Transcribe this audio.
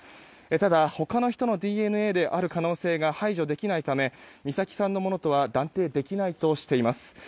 ただ、他の人のＤＮＡである可能性が排除できないため美咲さんのものとは断定できないとしています。